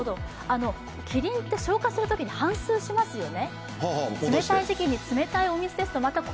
キリンって消化するときにはんすうしますよね。